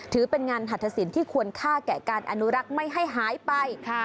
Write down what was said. ถือเป็นงานหัตถสินที่ควรค่าแก่การอนุรักษ์ไม่ให้หายไป